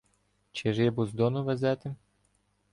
Чи рибу з Дону везете?